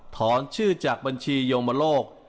ถอนชื่อจากบัญชีโยมโลก